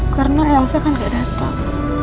karena elsa kan gak datang